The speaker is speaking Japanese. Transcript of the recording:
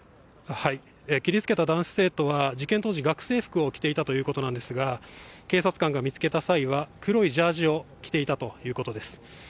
切りつけた男子生徒は事件当時、学生服を着ていたということなんですが警察官が見つけた際は、黒いジャージーを着ていたということです。